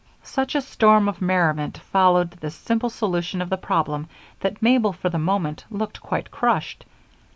Such a storm of merriment followed this simple solution of the problem that Mabel for the moment looked quite crushed.